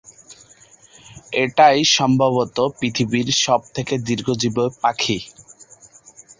এটাই সম্ভবত পৃথিবীর সব থেকে দীর্ঘজীবী পাখি।